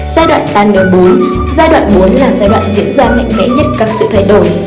giai đoạn tan nửa bú giai đoạn bú là giai đoạn diễn ra nhanh mẽ nhất các sự thay đổi